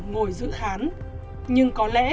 ngồi giữ khán nhưng có lẽ